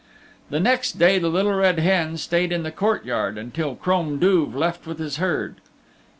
The next day the Little Red Hen stayed in the courtyard until Crom Duv left with his herd.